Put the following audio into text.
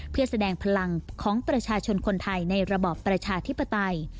เพื่อแสดงพลังของประชาชนคนไทยในระบอบประชาธิปไตย